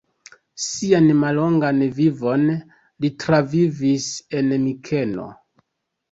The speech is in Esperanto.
Sian mallongan vivon li travivis en Mikeno.